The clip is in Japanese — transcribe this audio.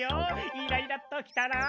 イライラッときたら？